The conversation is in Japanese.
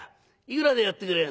「いくらでやってくれる？」。